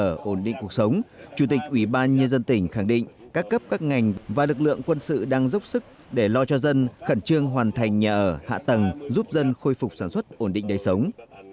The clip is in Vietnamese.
để ổn định cuộc sống chủ tịch ủy ban nhân dân tỉnh khẳng định các cấp các ngành và lực lượng quân sự đang dốc sức để lo cho dân khẩn trương hoàn thành nhà ở hạ tầng giúp dân khôi phục sản xuất ổn định đời sống